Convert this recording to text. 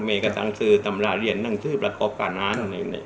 แม่ก็ต้องซื้อสำหรับเรียนนั่งชื่อประคอบก่อนนั้น